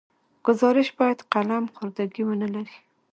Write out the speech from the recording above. ګزارش باید قلم خوردګي ونه لري.